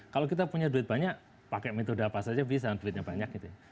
kalau kita punya duit banyak pakai metode apa saja bisa duitnya banyak gitu ya